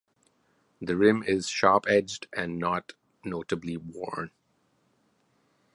The rim is sharp-edged and not notably worn.